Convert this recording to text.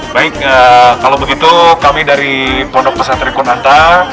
baik kalau begitu kami dari pondok pesatrikun anta